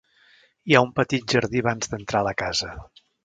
Hi ha un petit jardí abans d'entrar a la casa.